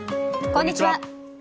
こんにちは。